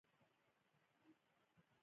زدهکړیز نصاب کې دې پښتو ته ارزښت ورکړل سي.